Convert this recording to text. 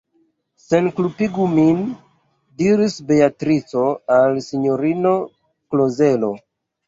Senkulpigu min, diris Beatrico al sinjorino Klozelo.